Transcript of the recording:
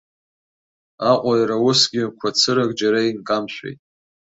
Аҟәа иара усгьы қәацырак џьара инкамшәеит.